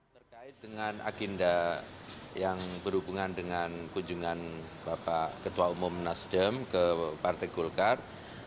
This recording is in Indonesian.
terkait dengan agenda yang berhubungan dengan kunjungan bapak ketua umum nasdem ke partai golkar